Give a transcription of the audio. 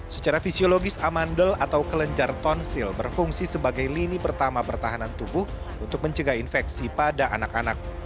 secara fisiologis amandel atau kelenjar tonsil berfungsi sebagai lini pertama pertahanan tubuh untuk mencegah infeksi pada anak anak